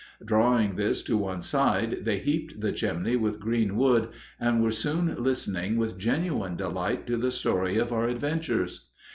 Drawing this to one side, they heaped the chimney with green wood, and were soon listening with genuine delight to the story of our adventures.